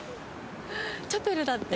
チャペルだって。